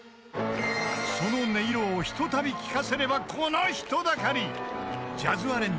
［その音色をひとたび聞かせればこの人だかり］